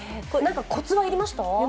何かコツは要りました？